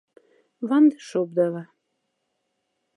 Ванды шобдава.